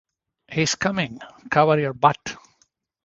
He's coming. Cover your butt.